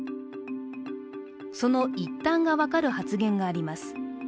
その一端が分かる発言があります。